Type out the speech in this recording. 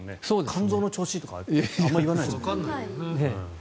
肝臓の調子とかあまり言わないですよね。